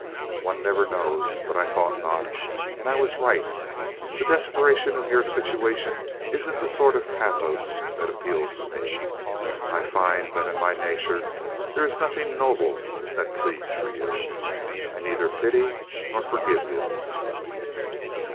"One never knows, but I thought not. And I was right. The desperation of your situation isn't the sort of pathos that appeals to me. I find that in my nature there is nothing 'noble' that pleads for you. I neither pity nor forgive you.